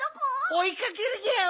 おいかけるギャオ。